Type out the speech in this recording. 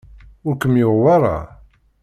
Ur kem-yuɣ wara?